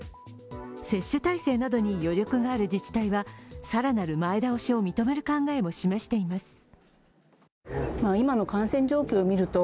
接種体制などに余力がある自治体はさらなる前倒しを認める考えを示しています。